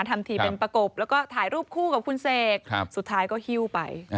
ทำทีเป็นประกบแล้วก็ถ่ายรูปคู่กับคุณเสกสุดท้ายก็หิ้วไป